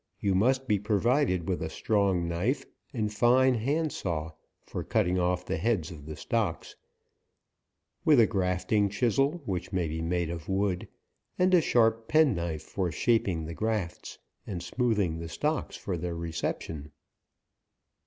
you must be provided with a sirong knife, and fine hand saw, for cutting off the heads of the stocks ; with a grafting chisel, which may be made of wood, and a sharp pen knife for shaping the grafts, and smoothing the stocks for their reception.